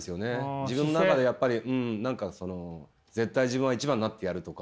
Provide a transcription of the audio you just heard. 自分の中でやっぱり何かその絶対自分は１番になってやるとか。